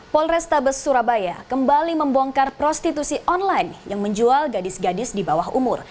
polrestabes surabaya kembali membongkar prostitusi online yang menjual gadis gadis di bawah umur